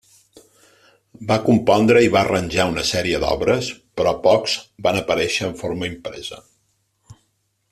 Va compondre i va arranjar una sèrie d'obres, però pocs van aparèixer en forma impresa.